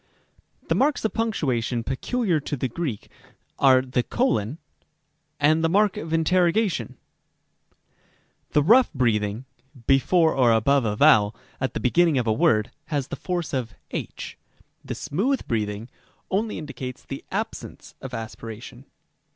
Rem. a. The marks of punctuation peculiar to the Greek are the colon [+] and the mark of interrogation [;]. Rem. b. The rough breathing ['] before or above a vowel at the beginning of a word has the force of h ; the smooth breathing ['] only indicates the absence of aspiration.